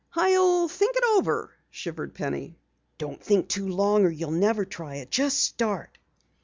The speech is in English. "I'll think it over," shivered Penny. "Don't think too long, or you'll never try it. Just start."